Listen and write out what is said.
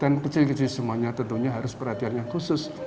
dan kecil kecil semuanya tentunya harus perhatian yang khusus